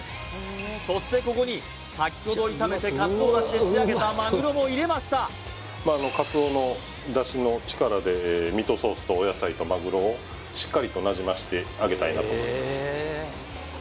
そしてここに先ほど炒めてかつおだしで仕上げたまぐろも入れましたかつおの出汁の力でミートソースとお野菜とまぐろをしっかりとなじませてあげたいなと思います